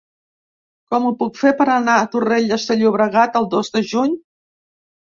Com ho puc fer per anar a Torrelles de Llobregat el dos de juny?